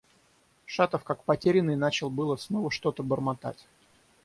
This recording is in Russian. Шатов как потерянный начал было снова что-то бормотать.